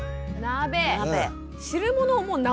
鍋！